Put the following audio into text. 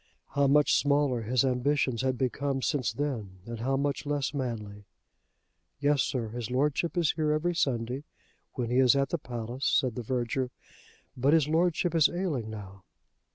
How much smaller his ambitions had become since then, and how much less manly. "Yes, sir; his Lordship is here every Sunday when he is at the palace," said the verger. "But his Lordship is ailing now."